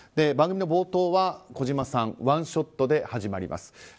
番組の冒頭は、児嶋さんワンショットで始まります。